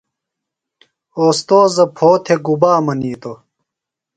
اوستوذہ پھو تھےۡ گُبا منیتوۡ؟